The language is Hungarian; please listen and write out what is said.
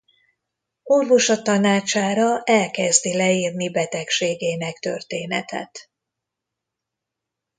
Orvosa tanácsára elkezdi leírni betegségének történetet.